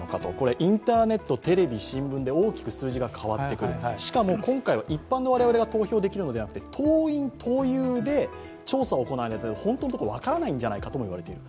インターネット、テレビ、新聞で大きく数字が変わってくるしかも、今回は一般の我々が投票できるのではなくて党員・党友で調査が行われていて、本当のところ分からないんじゃないかともいわれている。